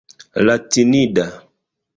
latinida